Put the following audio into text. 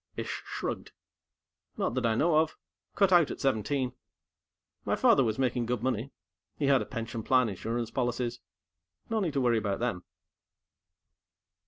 Ish shrugged. "Not that I know of. Cut out at seventeen. My father was making good money. He had a pension plan, insurance policies. No need to worry about them."